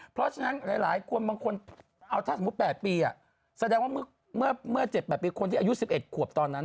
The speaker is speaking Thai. เพราะฉะนั้นหลายคนบางคนเอาถ้าสมมุติ๘ปีแสดงว่าเมื่อ๗๘ปีคนที่อายุ๑๑ขวบตอนนั้น